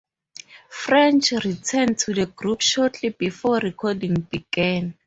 French returned to the group shortly before recording began.